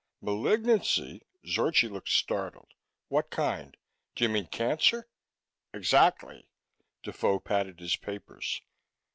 "Malignancy?" Zorchi looked startled. "What kind? Do you mean cancer?" "Exactly." Defoe patted his papers.